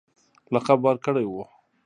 لقب ورکړی وو.